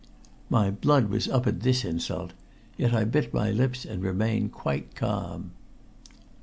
My blood was up at this insult, yet I bit my lips and remained quite calm.